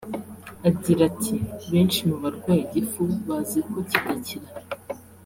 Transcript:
Agira ati “Benshi mu barwaye igifu bazi ko kidakira